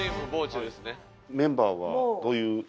メンバーはどういう方々？